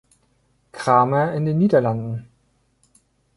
Kramer" in den Niederlanden.